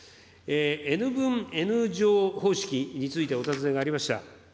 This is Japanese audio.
Ｎ分Ｎ乗方式についてお尋ねがありました。